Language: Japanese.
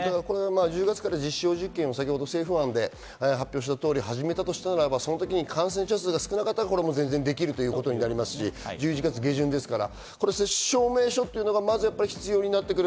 １０月から実証実験を政府で発表した通り始めたとしたら感染者数が少なければ全然できるということになりますし、１１月下旬ですから接種証明書が必要になってくる。